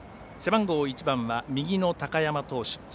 背番号１番は右の高山投手。